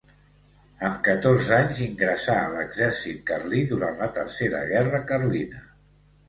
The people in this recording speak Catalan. Amb catorze anys ingressà a l'exèrcit carlí durant la Tercera Guerra Carlina.